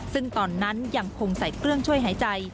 ซึ่งตอนนั้นยังคงใส่เครื่องช่วยหายใจ